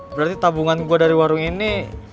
berarti tabungan gue dari warung ini